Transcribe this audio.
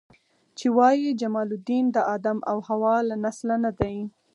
چې وایي جمال الدین د آدم او حوا له نسله نه دی.